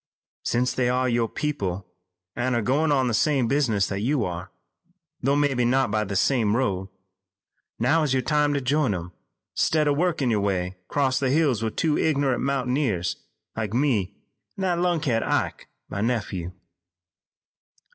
"Since they are your people an' are goin' on the same business that you are, though mebbe not by the same road, now is your time to join 'em, 'stead o' workin' your way 'cross the hills with two ignorant mountaineers like me an' that lunkhead, Ike, my nephew."